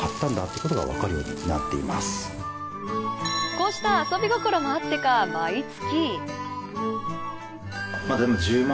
こうした遊び心もあってか毎月。